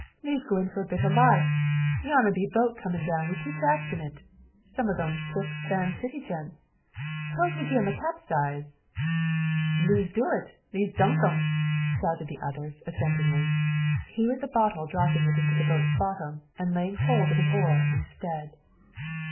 le's goo in for a bit o' a lark! Yonner be a boat coomin' down wi' two chaps in 't; some o' them spick span city gents! S'pose we gie 'em a capsize?" "Le's do it! Le's duck 'em!" shouted the others, assentingly; he with the bottle dropping it into the boat's bottom, and laying hold of an oar instead.